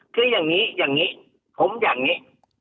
คืออย่างนี้ผมอย่างนี้